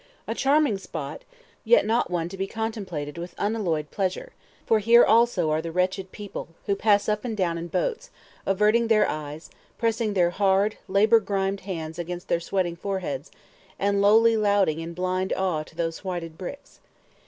A charming spot, yet not one to be contemplated with unalloyed pleasure; for here also are the wretched people, who pass up and down in boats, averting their eyes, pressing their hard, labor grimed hands against their sweating foreheads, and lowly louting in blind awe to these whited bricks.